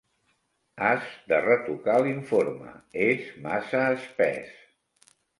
Has de retocar l'informe: és massa espès.